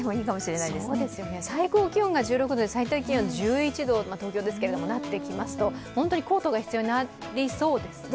東京で最高気温が１６度で最低気温１１度になってきますと本当にコートが必要になりそうですね。